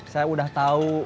saya udah tau